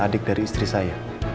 adik dari istri saya